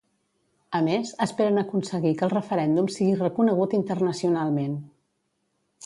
A més, esperen aconseguir que el referèndum sigui reconegut internacionalment.